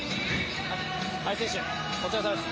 林選手、お疲れ様です